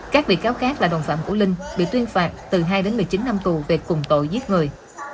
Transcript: các bị cáo khác là đồng phạm của linh bị tuyên phạt từ hai đến một mươi chín năm tù về cùng tội giết người